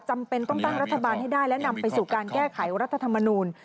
จำเป็นต้องตั้งรัฐบาลให้ได้และนำไปสู่การแก้ไขรัฐธรรมนูล